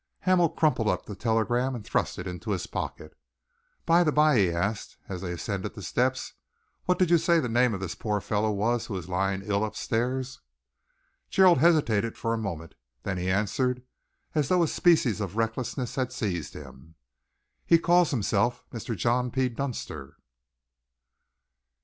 Hamel crumpled up the telegram and thrust it into his pocket. "By the by," he asked, as they ascended the steps, "what did you say the name of this poor fellow was who is lying ill up stairs?" Gerald hesitated for a moment. Then he answered as though a species of recklessness had seized him. "He called himself Mr. John P. Dunster."